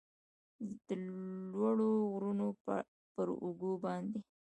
د لوړو غرونو پراوږو باندې